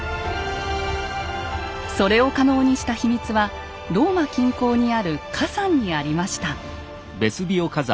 それを可能にした秘密はローマ近郊にある火山にありました。